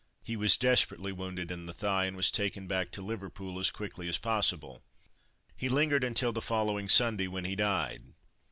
He was desperately wounded in the thigh, and was taken back to Liverpool as quickly as possible. He lingered until the following Sunday, when he died.